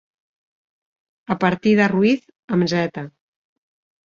A partir de Ruiz, amb zeta.